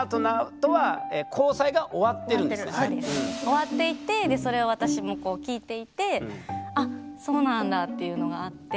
終わっていてそれを私も聞いていてあそうなんだっていうのがあって。